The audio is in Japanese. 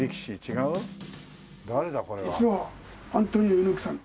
実はアントニオ猪木さん。